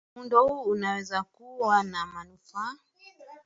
muundo huu unaweza kuwa na manufaa